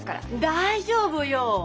大丈夫よ！